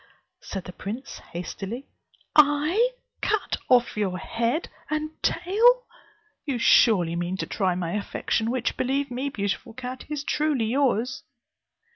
said the prince hastily, "I cut off your head and tail! You surely mean to try my affection, which, believe me, beautiful cat, is truly yours."